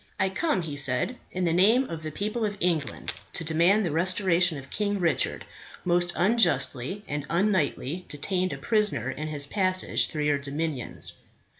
"I come," he said, "in the name of the people of England to demand the restoration of King Richard, most unjustly and unknightly detained a prisoner in his passage through your dominions."